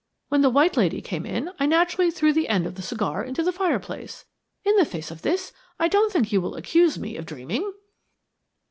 When the white lady came in I naturally threw the end of the cigar into the fireplace. In the face of this, I don't think you will accuse me of dreaming."